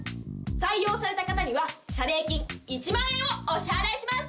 採用された方には謝礼金１万円をお支払いします！